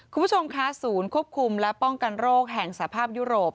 คุณผู้ชมคะศูนย์ควบคุมและป้องกันโรคแห่งสภาพยุโรป